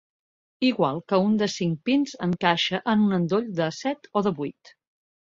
Igual que un de cinc pins encaixa en un endoll de set o de vuit.